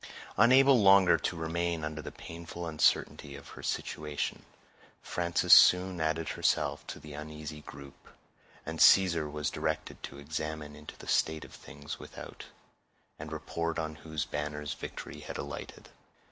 Unable longer to remain under the painful uncertainty of her situation, Frances soon added herself to the uneasy group, and Caesar was directed to examine into the state of things without, and report on whose banners victory had alighted.